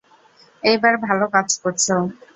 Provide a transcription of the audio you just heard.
এইবার ভালো কাজ করছো।